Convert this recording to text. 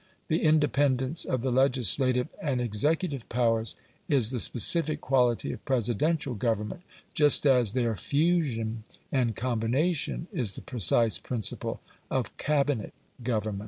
The independence of the legislative and executive powers is the specific quality of Presidential government, just as their fusion and combination is the precise principle of Cabinet government.